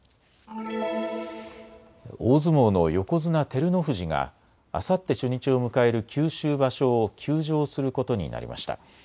大相撲の横綱・照ノ富士があさって初日を迎える九州場所を休場することになりました。